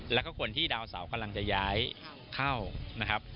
แล้วก็คนที่ดาวเสาร์กำลังจะย้ายเข้า